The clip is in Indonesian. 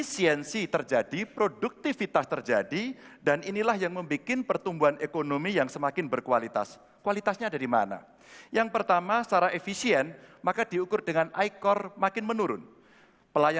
kami mohon sedian anda semua untuk berdiri menyanyikan lagu kebangsaan indonesia raya